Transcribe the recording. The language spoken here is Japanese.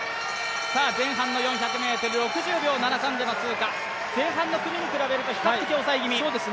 前半の４００ｍ、６０秒７３での通過前半の組に比べると比較的抑え気味。